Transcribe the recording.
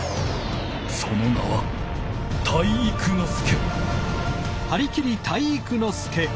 その名は体育ノ介！